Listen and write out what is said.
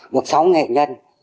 được sống nghệ nhân